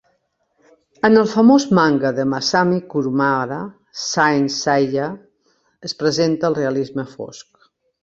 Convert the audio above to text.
En el famós manga de Massami Kurumada, "Saint Seiya", es presenta el realisme fosc.